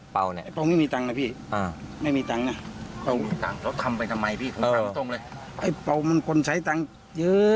พี่เขยห้ามมั้ย